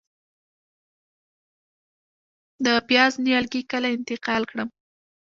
د پیاز نیالګي کله انتقال کړم؟